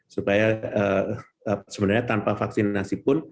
supaya tanpa vaksinasi pun